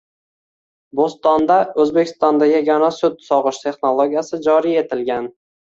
Bo‘stonda O‘zbekistonda yagona sut sog‘ish texnologiyasi joriy etilgan